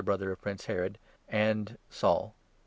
brother of Prince Herod, and Saul.